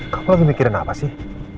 kamu lagi mikirin apa sih